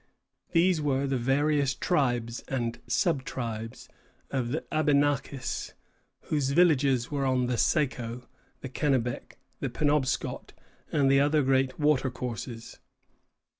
These were the various tribes and sub tribes of the Abenakis, whose villages were on the Saco, the Kennebec, the Penobscot, and the other great watercourses.